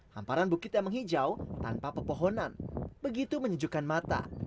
hamparan bukit yang menghijau tanpa pepohonan begitu menyejukkan mata